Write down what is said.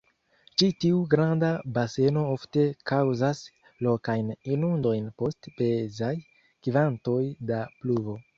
Ĉi-tiu granda baseno ofte kaŭzas lokajn inundojn post pezaj kvantoj da pluvo.